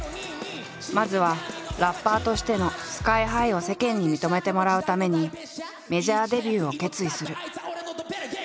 まずはラッパーとしてのＳＫＹ−ＨＩを世間に認めてもらうためにメジャーデビューを決意する。